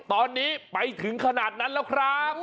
ตอนนี้ไปถึงขนาดนั้นแล้วครับ